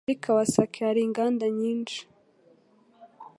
Muri Kawasaki hari inganda nyinshi.